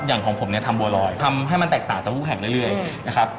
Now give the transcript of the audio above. ของผมเนี่ยทำบัวลอยทำให้มันแตกต่างจากผู้แข่งเรื่อยนะครับ